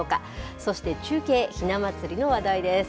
そして中継、ひな祭りの話題です。